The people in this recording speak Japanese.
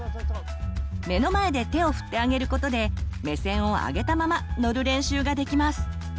目の前で手を振ってあげることで目線を上げたまま乗る練習ができます。